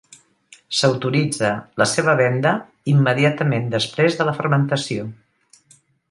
S'autoritza la seva venda immediatament després de la fermentació.